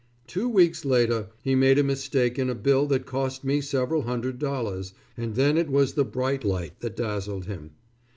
Two weeks later, he made a mistake in a bill that cost me several hundred dollars, and then it was the bright light that dazzled him.